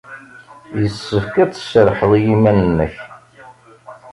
Yessefk ad tserrḥed i yiman-nnek.